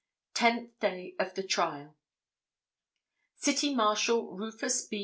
Tenth Day of the Trial. City Marshal Rufus B.